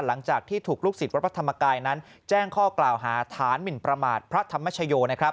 หลังจากที่ถูกลูกศิษย์วัดพระธรรมกายนั้นแจ้งข้อกล่าวหาฐานหมินประมาทพระธรรมชโย